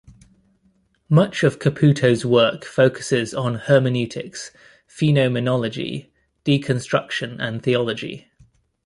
Much of Caputo's work focuses on hermeneutics, phenomenology, deconstruction and theology.